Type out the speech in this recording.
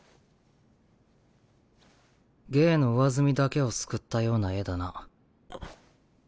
芸の上澄みだけをすくったような絵だな。